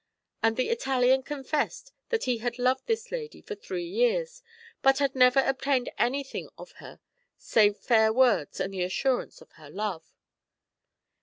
And the Italian confessed that he had loved this lady for three years, but had never obtained anything of her save fair words and the assurance of her love.